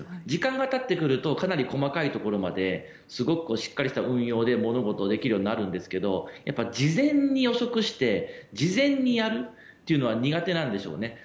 時間がたってくるとかなり細かいところまですごくしっかりした運用で物事ができるようになるんですが事前に予測して事前にやるっていうのは苦手なんでしょうね。